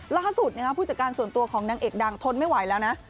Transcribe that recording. ล่าสุดผู้จัดการส่วนตัวของนางเอกดังทนไม่ไหวแล้วนะ